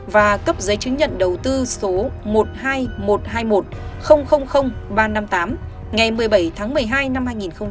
và cấp giấy chứng nhận đầu tư số một hai một hai một không không không ba năm tám ngày một mươi bảy tháng một mươi hai năm hai nghìn một mươi hai